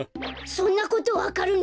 そんなことわかるの！？